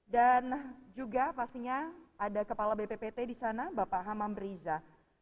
dan juga pastinya ada kepala bppt di sana bapak hamam riza